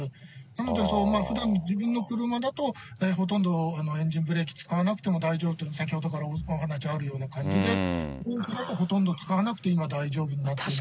なので、ふだん、自分の車だと、ほとんどエンジンブレーキ使わなくても大丈夫と、先ほどからお話あるような感じで、ほとんど使わなくて大丈夫になっています。